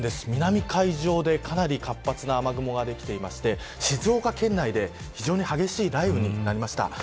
南海上でかなり活発な雨雲ができていまして静岡県内で非常に激しい雷雨になりました。